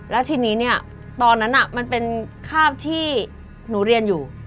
แล้วทีนี้เนี่ยตอนนั้นมันเป็นภาพที่หนูเรียนอยู่